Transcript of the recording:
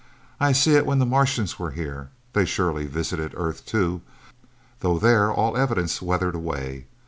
I see it when the Martians were here they surely visited Earth, too, though there all evidence weathered away.